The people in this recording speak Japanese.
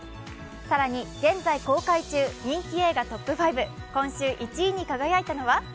更に現在公開中、人気映画トップ５、今週１位に輝いたのは？